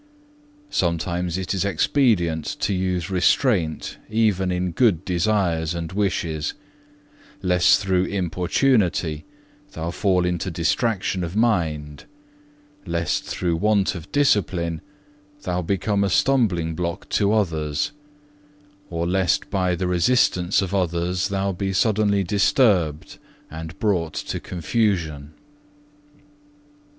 Sometimes it is expedient to use restraint even in good desires and wishes, lest through importunity thou fall into distraction of mind, lest through want of discipline thou become a stumbling block to others, or lest by the resistance of others thou be suddenly disturbed and brought to confusion.